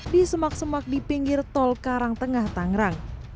di semak semak di pinggir tol karang tengah tangerang